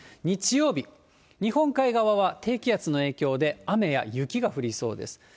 日曜日、日本海側は低気圧の影響で、雨や雪が降りそうです。